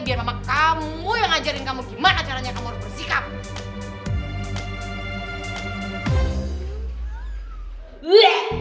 biar mama kamu yang ngajarin kamu gimana caranya kamu harus bersikap